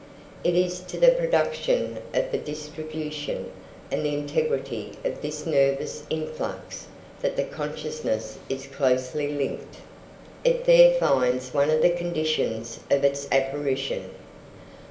It is to the production, the distribution, and the integrity of this nervous influx that the consciousness is closely linked. It there finds one of the conditions of its apparition.